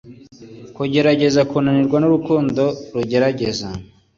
Kugerageza kunanirwa nurukundo rugerageza